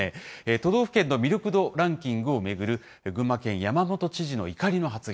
都道府県の魅力度ランキングを巡る、群馬県、山本知事の怒りの発言。